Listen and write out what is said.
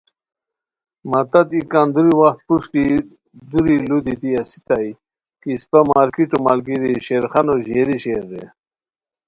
مہ تت ای کندوری وخت پروشٹی دُوری لُو دیتی اسیتائے کی اسپہ مارکیٹو ملگیری شیرخانو ژیری شیر رے